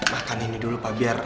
makan ini dulu bud biar keren